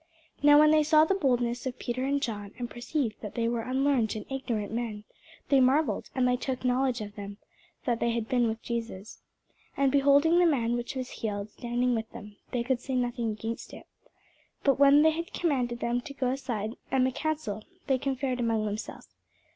Now when they saw the boldness of Peter and John, and perceived that they were unlearned and ignorant men, they marvelled; and they took knowledge of them, that they had been with Jesus. And beholding the man which was healed standing with them, they could say nothing against it. But when they had commanded them to go aside out of the council, they conferred among themselves.